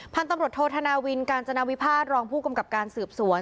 พันธุ์ตำรวจโทษธนาวินกาญจนาวิพาทรองผู้กำกับการสืบสวน